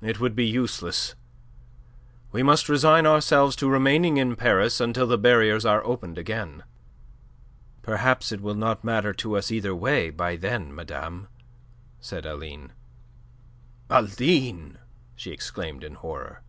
It would be useless. We must resign ourselves to remaining in Paris until the barriers are opened again." "Perhaps it will not matter to us either way by then, madame," said Aline. "Aline!" she exclaimed in horror.